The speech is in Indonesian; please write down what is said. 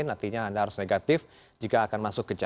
nantinya anda harus negatif jika akan masuk ke jakarta